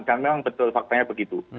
dan memang betul faktanya begitu